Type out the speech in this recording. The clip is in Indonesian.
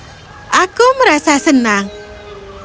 aku senang kau memperlakukan babi hutanku dengan penuh kasih sayang